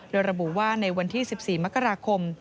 โดยระบุว่าในวันที่๑๔มกราคม